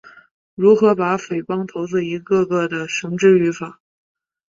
如何把匪帮头子一个个地绳之于法？